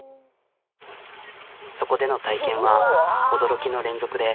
そこでの体験は驚きの連続で。